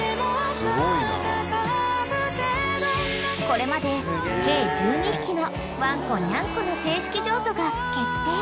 ［これまで計１２匹のワンコニャンコの正式譲渡が決定］